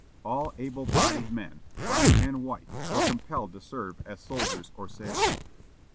All able bodied men, black and white, were compelled to serve as soldiers or sailors.